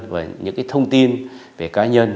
và những cái thông tin về cá nhân